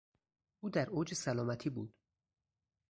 او در اوج سلامتی بود.